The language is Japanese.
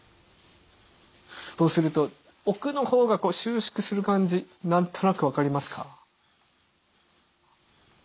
そうすると奥の方がこう収縮する感じ何となく分かりますか？